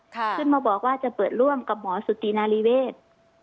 ขึ้นมาบอกว่าจะเปิดร่วมกับหมอสุตินารีเวศ